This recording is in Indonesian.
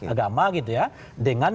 agama gitu ya dengan